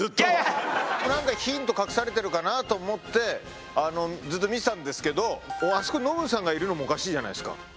何かヒント隠されてるかなと思ってずっと見てたんですけどあそこにノムさんがいるのもおかしいじゃないですか。